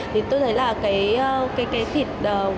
thì tôi thấy là cái thịt